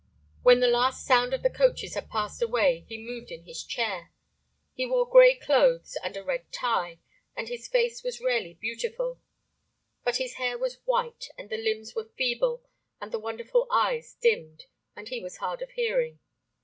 When the last sound of the coaches had passed away he moved in his chair. He wore grey clothes and a red tie, and his face was rarely beautiful, but the hair was white and the limbs were feeble, and the wonderful eyes dimmed, and he was hard of hearing.